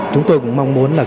chúng tôi cũng mong muốn là